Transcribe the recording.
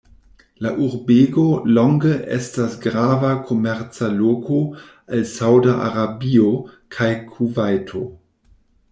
La urbego longe estas grava komerca loko al Sauda Arabio kaj Kuvajto.